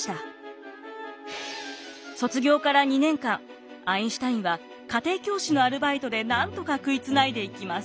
卒業から２年間アインシュタインは家庭教師のアルバイトでなんとか食いつないでいきます。